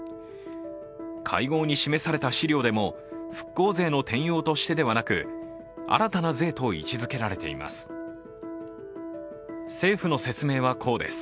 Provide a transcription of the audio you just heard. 会合に示された資料でも復興税の転用としてではなく新たな税と位置づけられています。